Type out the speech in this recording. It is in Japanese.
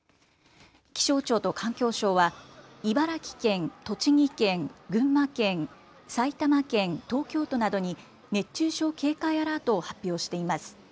気象庁と環境省は茨城県、栃木県、群馬県、埼玉県、東京都などに熱中症警戒アラートを発表しています。